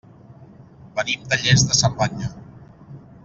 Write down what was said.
Venim de Lles de Cerdanya.